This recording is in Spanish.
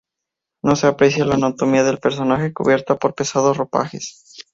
No se aprecia la anatomía del personaje, cubierta por pesados ropajes.